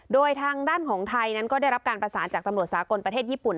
โดยทางด้านของไทยนั้นก็ได้รับการประสานจากตำรวจสากลประเทศญี่ปุ่น